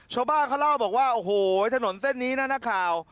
ชาวบ้านเขาเล่าว่าโอ้โหถนนเส้นนี้นะ